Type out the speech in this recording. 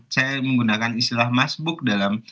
saya menggunakan istilah masbuk dalam